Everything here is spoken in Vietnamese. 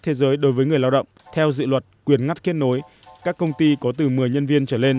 thế giới đối với người lao động theo dự luật quyền ngắt kết nối các công ty có từ một mươi nhân viên trở lên